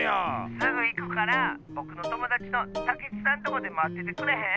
すぐいくからぼくのともだちのたけちさんとこでまっててくれへん？